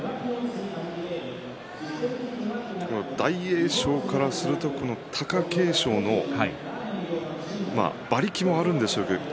大栄翔からすると貴景勝の馬力もあるんですけど